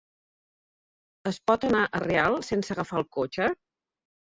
Es pot anar a Real sense agafar el cotxe?